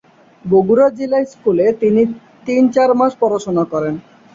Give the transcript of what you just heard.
বগুড়া জিলা স্কুলে তিনি তিন-চার মাস পড়াশুনা করেন।